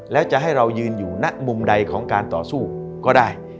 แล้วจะให้เรายืนอยู่ณมุมใดของการต่อสู้ก็ได้